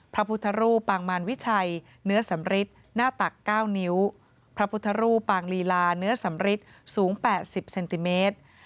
พระพุทธรูปปางมารวิชัยเนื้อสำริทหน้าตัก๙นิ้วพระพุทธรูปปางลีลาเนื้อสำริทสูง๘๐เซนติเมตร